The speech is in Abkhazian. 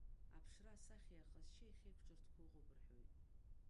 Аԥшра-асахьеи аҟазшьеи ахьеиқәҿырҭқәо ыҟоуп рҳәоит.